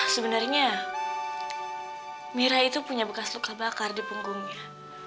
sebenarnya mira itu punya bekas luka bakar di punggungnya